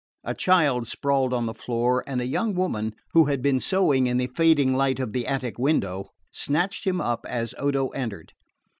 A child sprawled on the floor, and a young woman, who had been sewing in the fading light of the attic window, snatched him up as Odo entered.